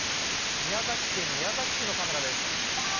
宮崎県宮崎市のカメラです。